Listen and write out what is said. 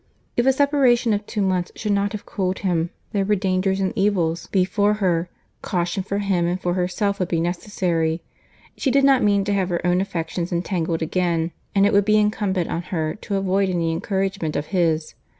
If a separation of two months should not have cooled him, there were dangers and evils before her:—caution for him and for herself would be necessary. She did not mean to have her own affections entangled again, and it would be incumbent on her to avoid any encouragement of his.